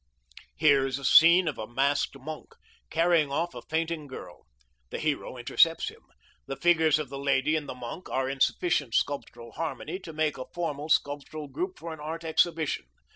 Here is a scene of a masked monk, carrying off a fainting girl. The hero intercepts him. The figures of the lady and the monk are in sufficient sculptural harmony to make a formal sculptural group for an art exhibition.